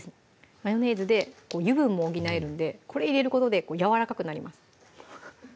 マヨネーズで油分も補えるんでこれ入れることでやわらかくなります